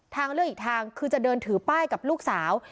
ทางเลือกอีกทางคือจะเดินถือป้ายกับลูกสาว